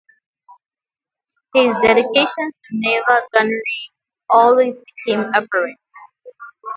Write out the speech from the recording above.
His dedication to naval gunnery also became apparent.